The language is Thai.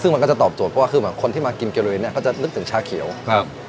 ซึ่งมันก็จะตอบโจทย์เพราะว่าคือเหมือนคนที่มากินเกลุยเนี้ยเขาจะนึกถึงชาเขียวครับ